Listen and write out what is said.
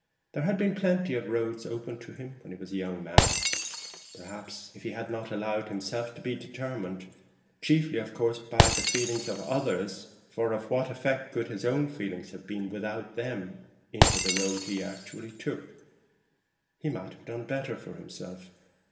There had been plenty of roads open to him when he was a young man; perhaps if he had not allowed himself to be determined (chiefly, of course, by the feelings of others, for of what effect would his own feelings have been without them?) into the road he actually took, he might have done better for himself.